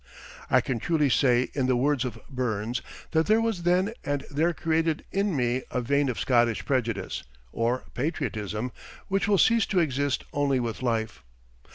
I can truly say in the words of Burns that there was then and there created in me a vein of Scottish prejudice (or patriotism) which will cease to exist only with life.